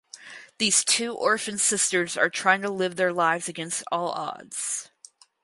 These two orphan sisters are trying to live their lives against all odds.